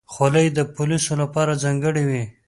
خولۍ د پولیسو لپاره ځانګړې وي.